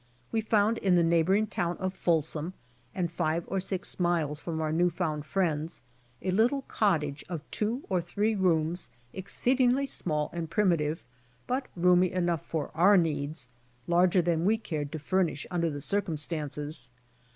We found in the neighboring town of Folsom, and five or six miles from our new found friends, a little cot tage of two or three rooms • exceedingly small and primitive, but roomy enough for our needs, larger than we cared to furnish under the circumstances.